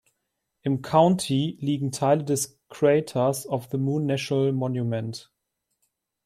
Im County liegen Teile des Craters of the Moon National Monument.